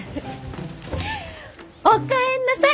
お帰りなさい！